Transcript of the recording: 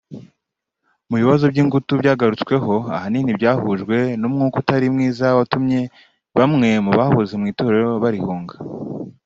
Mu bibazo by’ingutu byagarutsweho ahanini byahujwe n’umwuka utari mwiza watumye bamwe mu bahoze mu itorero barihunga